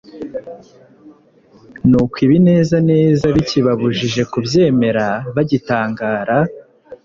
«Nuko ibinezaneza bikibabujije kubyemera, bagitangara,